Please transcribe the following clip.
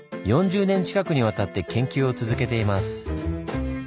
４０年近くにわたって研究を続けています。